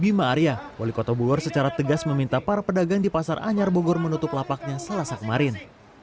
bima arya wali kota bogor secara tegas meminta para pedagang di pasar anyar bogor menutup lapaknya selasa kemarin